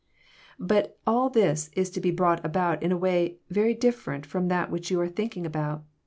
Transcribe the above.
' But all this is to be brought about in a way very difi'erent from that which you are thinking about.